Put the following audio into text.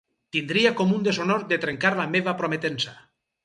Tindria com un deshonor de trencar la meva prometença.